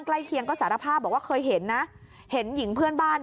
เคียงก็สารภาพบอกว่าเคยเห็นนะเห็นหญิงเพื่อนบ้าน